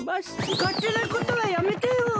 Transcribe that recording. かってなことはやめてよ。